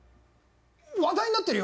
話題になってるよ！